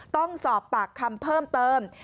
ต้องสอบปากคำเพิ่มเติม